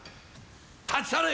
立ち去れ！